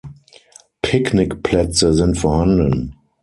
Picknickplätze sind vorhanden.